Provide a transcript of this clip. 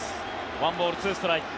１ボール２ストライク。